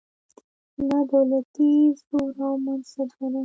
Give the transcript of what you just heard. نه دولتي زور او منصب لرم.